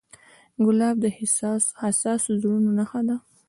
ګلاب د حساسو زړونو نښه ده.